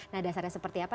nah dasarnya seperti apa